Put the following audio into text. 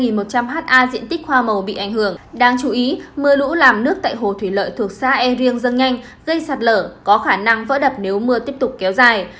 tích hoa màu bị ảnh hưởng đáng chú ý mưa lũ làm nước tại hồ thủy lợi thuộc xa e riêng dâng nhanh gây sạt lở có khả năng vỡ đập nếu mưa tiếp tục kéo dài